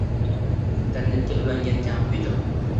Internetga ulangan kompyuter